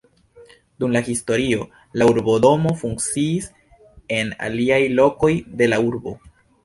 Dum la historio la urbodomo funkciis en aliaj lokoj de la urbo.